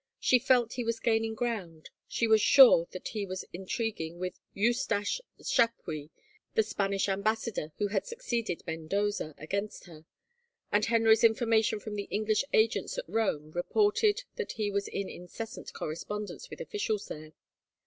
She felt he was gaining ground. She was sure that he was intriguing with Eustache Chapuis, the Spanish Ambassa dor who had succeeded Mendoza, against her, and Henry's information from the English agents at Rome reported that he was in incessant correspondence with officials there.